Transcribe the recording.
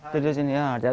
tidur di sini ya